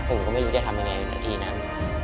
ผมก็ไม่รู้จะทำยังไงทันทีนั้น